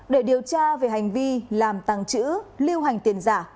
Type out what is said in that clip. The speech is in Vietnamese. để điều tra về hành vi làm tàng trữ lưu hành tiền giả